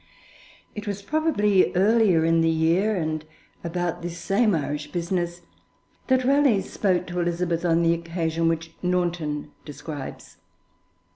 It was probably earlier in the year, and about this same Irish business, that Raleigh spoke to Elizabeth, on the occasion which Naunton describes.